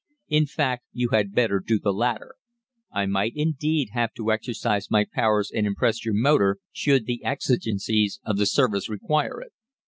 In fact, you had better do the latter. I might, indeed, have to exercise my powers and impress your motor, should the exigencies of the Service require it.'